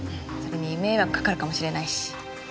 それに迷惑かかるかもしれないし。